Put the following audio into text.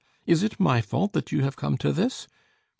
Is it my fault that you have come to this?